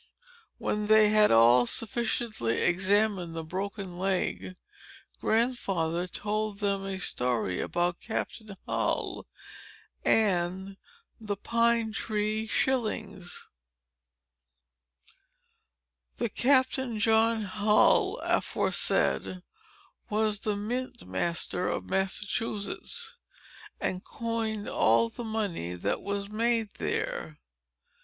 When they had all sufficiently examined the broken leg, Grandfather told them a story about Captain John Hull and THE PINE TREE SHILLINGS The Captain John Hull, aforesaid, was the mint master of Massachusetts, and coined all the money that was made there.